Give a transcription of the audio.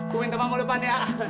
gue minta maaf dulu pan ya